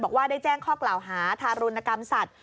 บอกว่าได้แจ้งข้อกล่าวหาทารุณกรรมสัตว